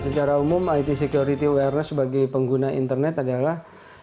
secara umum it security awareness bagi pengguna internet adalah